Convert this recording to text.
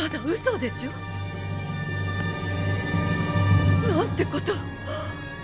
うそでしょ！なんてこと！